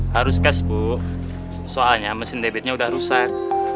harus cash bu soalnya mesin debitnya udah rusak